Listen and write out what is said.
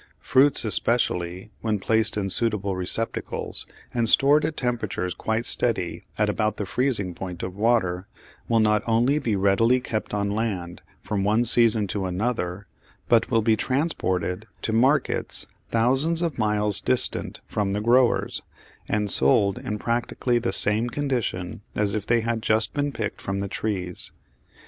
Fruits especially, when placed in suitable receptacles, and stored at temperatures quite steady at about the freezing point of water, will not only be readily kept on land from one season to another, but will be transported to markets thousands of miles distant from the growers, and sold in practically the same condition as if they had just been picked from the trees.